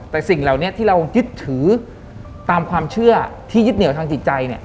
แต่สิ่งเหล่านี้ที่เรายึดถือตามความเชื่อที่ยึดเหนียวทางจิตใจเนี่ย